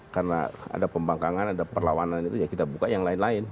karena ada pembangkangan ada perlawanan itu ya kita buka yang lain lain